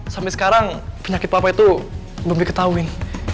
sampai sekarang penyakit papa belum diketahuin